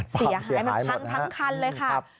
เสียหายทั้งคันเลยครับ